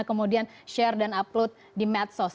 kemudian share dan upload di medsos